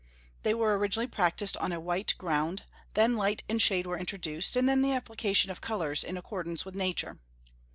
They were originally practised on a white ground; then light and shade were introduced, and then the application of colors in accordance with Nature.